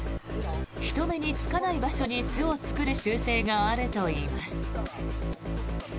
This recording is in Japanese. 人目につかない場所に巣を作る習性があるといいます。